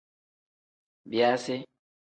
Biyaasi.